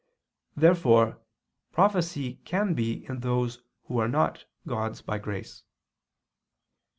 Therefore prophecy can be in those who are not God's by grace.